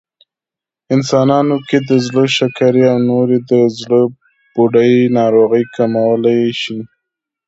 انسانانو کې د زړه، شکرې او نورې د زړبوډۍ ناروغۍ کمولی شي